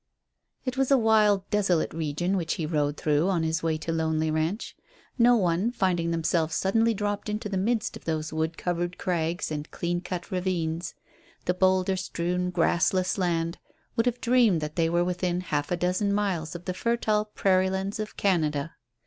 It was a wild, desolate region which he rode through on his way to Lonely Ranch. No one, finding themselves suddenly dropped into the midst of those wood covered crags and clean cut ravines, the boulder strewn, grassless land, would have dreamed that they were within half a dozen miles of the fertile prairie lands of Canada.